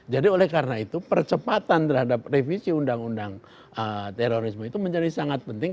jadi oleh karena itu percepatan terhadap revisi undang undang terorisme itu menjadi sangat penting